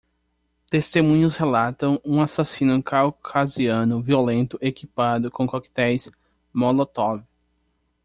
Testemunhas relatam um assassino caucasiano violento equipado com coquetéis Molotov.